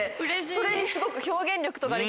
それにすごく。